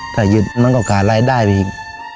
ถ้าหยุดมันก็กาลัยได้อีก